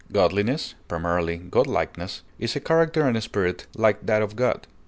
Godliness (primarily godlikeness) is a character and spirit like that of God.